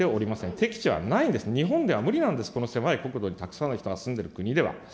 適地はないんです、日本では無理なんです、この狭い国土にたくさんの人が住んでる国では。